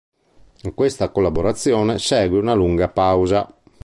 A questa collaborazione segue una lunga pausa.